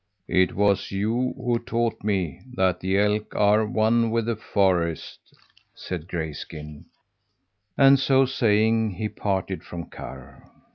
"It was you who taught me that the elk are one with the forest," said Grayskin, and so saying he parted from Karr.